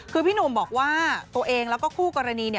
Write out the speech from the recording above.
คือพี่หนุ่มบอกว่าตัวเองแล้วก็คู่กรณี